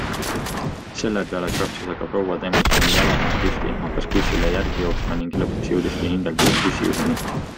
Selle peale krapsas aga proua tema sõnul jalamaid püsti, hakkas bussile järgi jooksma ning lõpuks jõudiski hingeldades bussijuhini.